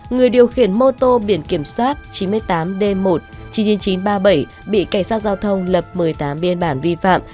người điều khiển mô tô biển kiểm soát chín mươi tám d một chín mươi chín nghìn chín trăm ba mươi bảy bị cảnh sát giao thông lập một mươi tám biên bản vi phạm